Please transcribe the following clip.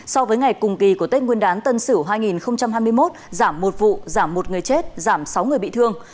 so với ngày cùng kỳ của tết nguyên đán tân sửu hai nghìn hai mươi một giảm một vụ giảm một người chết giảm sáu người bị thương